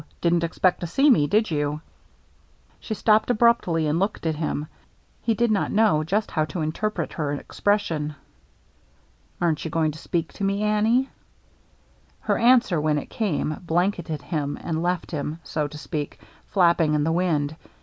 Didn't expect to see me, did you ?" She stopped abruptly and looked at him. He did not know just how to interpret her expression. " Aren't you going to speak to me, Annie ?" Her answer, when it came, blanketed him, and left him, so to speak, flapping in the wind.